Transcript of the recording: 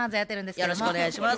よろしくお願いします。